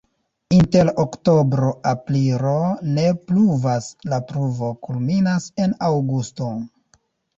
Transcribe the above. Inter oktobro-aprilo ne pluvas, la pluvo kulminas en aŭgusto.